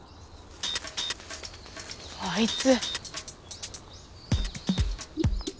あいつ。